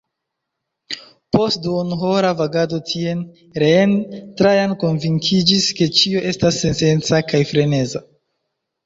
Post duonhora vagado tien, reen, Trajan konvinkiĝis, ke ĉio estas sensenca kaj freneza.